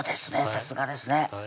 さすがですね